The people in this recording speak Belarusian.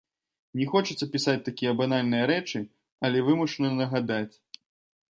Не хочацца пісаць такія банальныя рэчы, але вымушаны нагадаць.